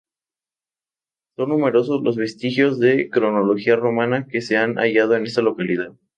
Son numerosos los vestigios de cronología romana que se han hallado en esta localidad.